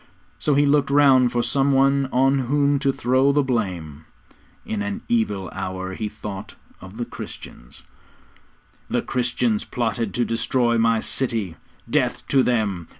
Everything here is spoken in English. So he looked round for some one on whom to throw the blame. In an evil hour he thought of the Christians. 'The Christians plotted to destroy my city death to them!